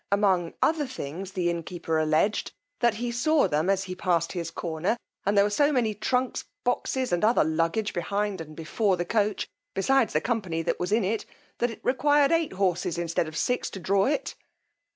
Among other things the innkeeper alledged, that he saw them as he passed his corner, and there were so many trunks, boxes, and other luggage behind and before the coach, besides the company that was in it, that it required eight horses instead of six to draw it.